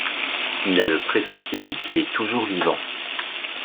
Il a le pressentiment qu'il est toujours vivant.